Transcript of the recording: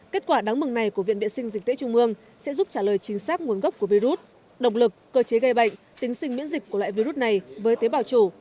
kết quả đáng mừng này của viện vệ sinh dịch tễ trung ương sẽ giúp trả lời chính xác nguồn gốc của virus động lực cơ chế gây bệnh tính sinh miễn dịch của loại virus này với tế bào chủ